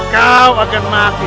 kau akan mati